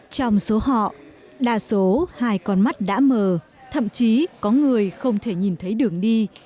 trong số họ đa số hai con mắt đã mờ thậm chí có người không thể nhìn thấy đường đi